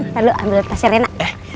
nanti ambil tas rena